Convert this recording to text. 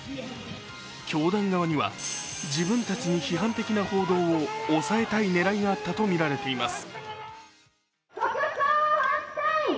教団側には自分たちに批判的な報道を抑えたい狙いがあったとみられています。